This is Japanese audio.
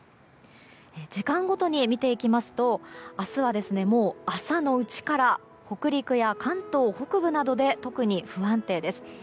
時間ごとに見ていきますと明日は朝のうちから北陸や関東北部などで特に不安定です。